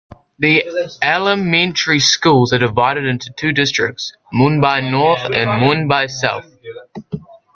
The Elementary schools are divided into two districts: Mauban North and Mauban South.